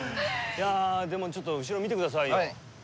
いやあでもちょっと後ろ見てくださいよ。